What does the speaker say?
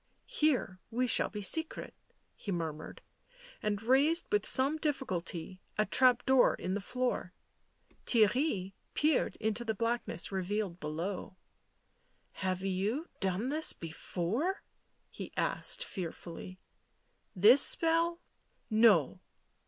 " Here we shall be secret," he murmured, and raised, with some difficulty, a trap door in the floor. Theirry peered into the blackness revealed below. "Have you done this before?" he asked fearfully. "This spell? No."